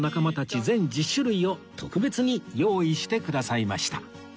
全１０種類を特別に用意してくださいました